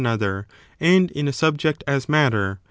[bOOK VL another, and in a subject as matter.